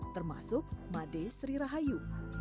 termasuk made sri rahayu